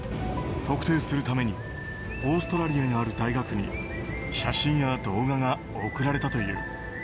特定するためにオーストラリアにある大学に写真や動画が送られたという。